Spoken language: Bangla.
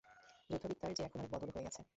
যুদ্ধবিদ্যার যে এখন অনেক বদল হয়ে গেছে।